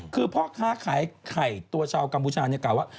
คือพ่อค้าขายไข่ตัวชาวกัมพูชาเนี่ยกล่าวว่า